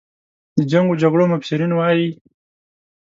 د جنګ و جګړو مبصرین وایي.